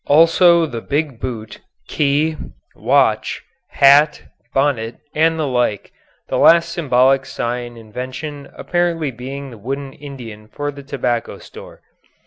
Also the big boot, key, watch, hat, bonnet, and the like, the last symbolic sign invention apparently being the wooden Indian for the tobacco store.